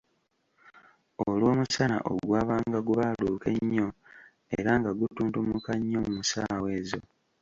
Olw’omusana ogw'abanga gubaaluuka ennyo era nga gutuntumuka nnyo mu ssaawa ezo.